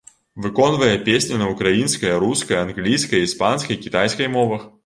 Выконвае песні на ўкраінскай, рускай, англійскай, іспанскай і кітайскай мовах.